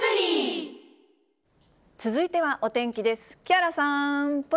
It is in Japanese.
続いてはお天気です。